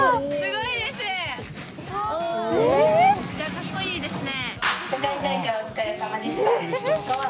かっこいいですね。